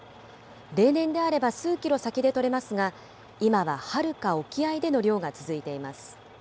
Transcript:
例年であれば数キロ先で取れますが、今ははるか沖合での漁が続いています。